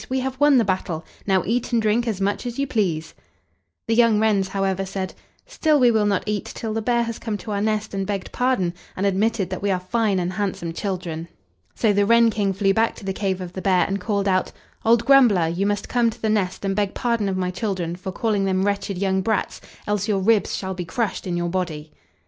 we have won the battle; now eat and drink as much as you please." The young wrens, however, said: "Still we will not eat till the bear has come to our nest and begged pardon, and admitted that we are fine and handsome children." So the wren King flew back to the cave of the bear, and called out, "Old grumbler, you must come to the nest and beg pardon of my children for calling them wretched young brats, else your ribs shall be crushed in your body!"